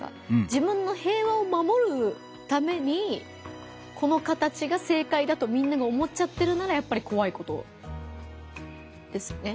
自分の平和をまもるためにこの形が正解だとみんなが思っちゃってるならやっぱりこわいことですね。